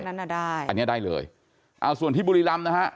อันอ่ะได้อันเนี้ยได้เลยเอาส่วนที่บุรีรำนะฮะ